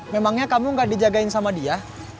memangnya kamu gak dijagain sama dia